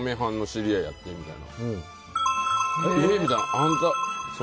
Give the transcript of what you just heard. みたいな。